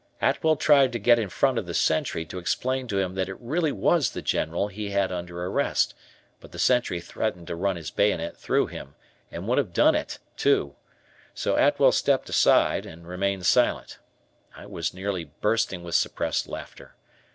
Atwell tried to get in front of the sentry to explain to him that it really was the General he had under arrest, but the sentry threatened to run his bayonet through him, and would have done it, too. So Atwell stepped aside, and remained silent. I was nearly bursting with suppressed laughter.